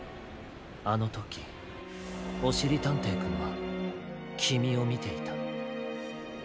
あのときおしりたんていくんはきみをみていた。